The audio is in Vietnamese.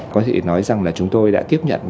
có thể nói rằng là chúng tôi đã tiếp nhận